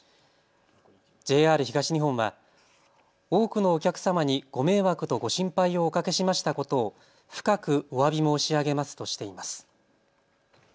ＪＲ東日本は多くのお客様にご迷惑とご心配をおかけしましたことを深くおわび申し上げますとしています。